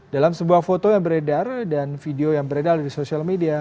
dalam sebuah foto yang beredar dan video yang beredar di sosial media